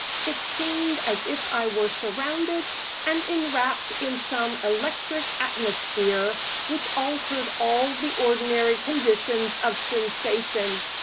It seemed as if I were surrounded and enwrapped in some electric atmosphere which altered all the ordinary conditions of sensation.